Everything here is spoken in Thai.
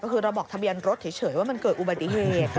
ก็คือเราบอกทะเบียนรถเฉยว่ามันเกิดอุบัติเหตุ